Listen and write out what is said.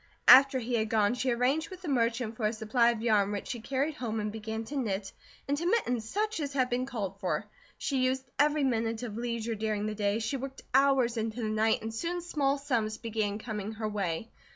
After he had gone, she arranged with the merchant for a supply of yarn which she carried home and began to knit into mittens such as had been called for. She used every minute of leisure during the day, she worked hours into the night, and soon small sums began coming her way.